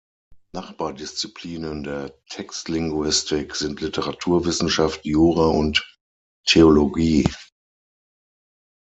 Nachbardisziplinen der Textlinguistik sind Literaturwissenschaft, Jura und Theologie.